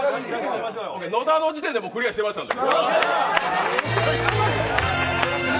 野田の時点でクリアしてましたんで。